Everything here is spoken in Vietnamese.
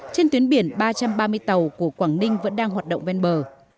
trên tuyến biển ba trăm ba mươi tàu của quảng ninh vẫn đang hoạt động ven bờ